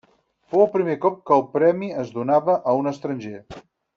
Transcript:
Fou el primer cop que el premi es donava a un estranger.